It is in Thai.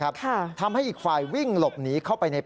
เพราะถูกทำร้ายเหมือนการบาดเจ็บเนื้อตัวมีแผลถลอก